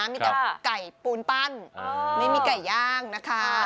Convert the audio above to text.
ก่อนร้านมีกับไก่ปูนปั้นไม่มีไก่ย่างนะคะ